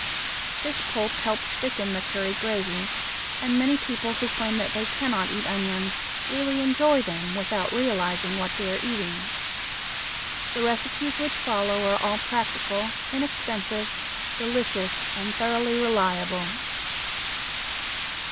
This pulp helps thicken the curry gravy, and many people who claim that they cannot eat onions really enjoy them without realizing what they are eating. The recipes which follow are all practical, inexpensive, delicious, and thoroughly reliable.